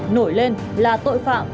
nổi lên là tội phạm